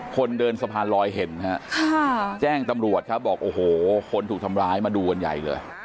คนเดินสะพานลอยเห็นฮะแจ้งตำรวจครับบอกโอ้โหคนถูกทำร้ายมาดูกันใหญ่เลย